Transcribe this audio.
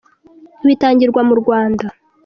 bitangirwa mu Rwanda